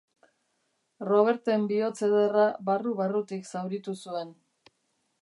Roberten bihotz ederra barru-barrutik zauritu zuen.